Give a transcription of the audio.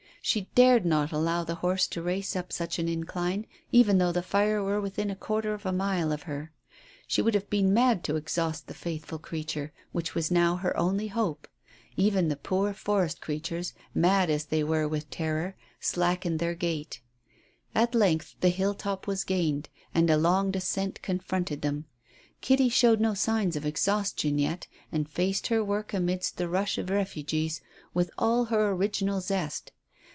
She dared not allow the horse to race up such an incline, even though the fire were within a quarter of a mile of her; she would have been mad to exhaust the faithful creature, which was now her only hope. Even the poor forest creatures, mad as they were with terror, slackened their gait. At length the hilltop was gained, and a long descent confronted them. Kitty showed no signs of exhaustion yet, and faced her work amidst the rush of refugees with all her original zest.